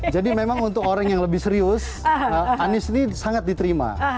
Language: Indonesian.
jadi memang untuk orang yang lebih serius anis ini sangat diterima